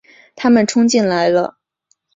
他们冲进来了